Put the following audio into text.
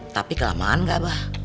tapi kelamaan gak abah